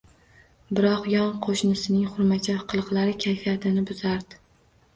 Biroq yon qoʻshnisining xurmacha qiliqlari kayfiyatini buzardi